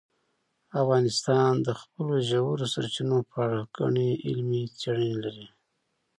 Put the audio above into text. افغانستان د خپلو ژورو سرچینو په اړه ګڼې علمي څېړنې لري.